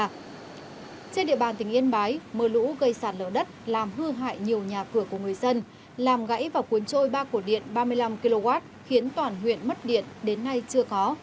trên địa bàn tỉnh yên bái mưa lũ gây sạt lở đất làm hư hại nhiều nhà cửa của người dân làm gãy và cuốn trôi ba cổ điện ba mươi năm kw khiến toàn huyện mất điện đến nay chưa có